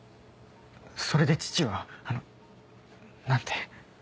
それで父はあの何て？